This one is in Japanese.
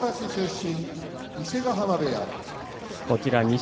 錦